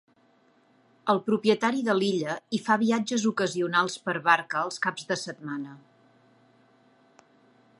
El propietari de l'illa hi fa viatges ocasionals per barca els caps de setmana.